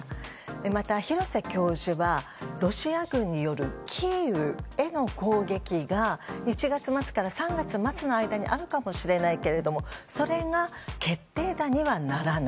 また、廣瀬教授はロシア軍によるキーウへの攻撃が１月末から３月末の間にあるかもしれないけどもそれが決定打にはならない。